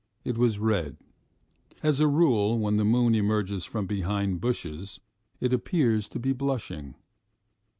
It was red (as a rule when the moon emerges from behind bushes it appears to be blushing).